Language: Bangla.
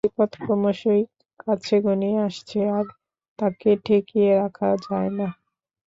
বিপদ ক্রমশই কাছে ঘনিয়ে আসছে, আর তাকে ঠেকিয়ে রাখা যায় না।